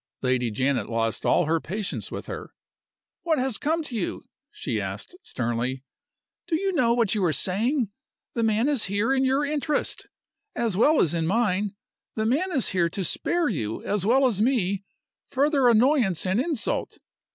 Lady Janet lost all her patience with her. "What has come to you?" she asked, sternly. "Do you know what you are saying? The man is here in your interest, as well as in mine; the man is here to spare you, as well as me, further annoyance and insult.